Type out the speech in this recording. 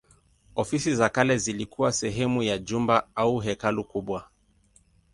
Ofisi za kale zilikuwa sehemu ya jumba au hekalu kubwa.